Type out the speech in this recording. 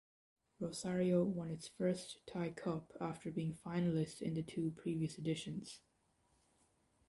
Rosario won its first Tie Cup after being finalist in the two previous editions.